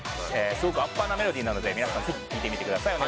すごくアッパーなメロディーなので皆さんぜひ聴いてみてください。